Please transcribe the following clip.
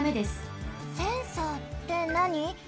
センサーってなに？